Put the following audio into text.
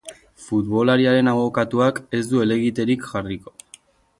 Futbolariaren abokatuak ez du helegiterik jarriko.